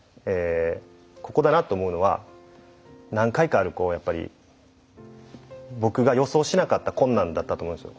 ここだなと思うのは何回かある僕が予想しなかった困難だったと思うんですよ。